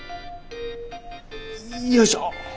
よいしょ。